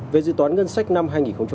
về dự toán ngân sách năm hai nghìn hai mươi